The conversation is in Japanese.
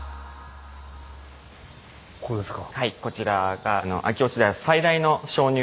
ここですか。